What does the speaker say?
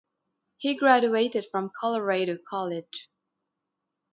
He graduated from Colorado College.